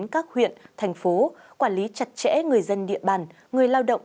các huyện thành phố quản lý chặt chẽ người dân địa bàn người lao động